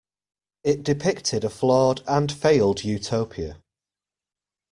It depicted a flawed and failed utopia.